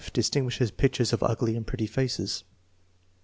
Distinguishes pictures of ugly and prclLy faces.